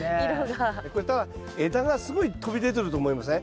これただ枝がすごい飛び出てると思いません？